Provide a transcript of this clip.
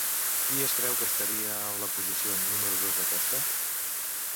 Qui es creu que estaria en la posició número dos d'aquesta?